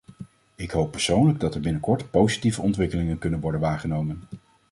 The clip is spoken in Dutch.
Ik hoop persoonlijk dat er binnenkort positieve ontwikkelingen kunnen worden waargenomen.